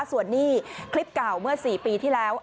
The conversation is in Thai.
ส่วนนี้คลิปเก่าเมื่อ๔ปีที่แล้ว